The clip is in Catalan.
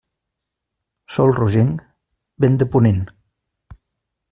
Sol rogenc, vent de ponent.